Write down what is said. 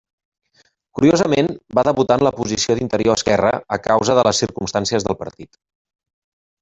Curiosament, va debutar en la posició d'interior esquerre a causa de les circumstàncies del partit.